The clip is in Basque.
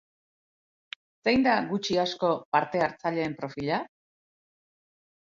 Zein da, gutxi-asko, parte-hartzaileen profila?